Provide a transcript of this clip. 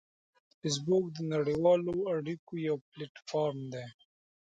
فېسبوک د نړیوالو اړیکو یو پلیټ فارم دی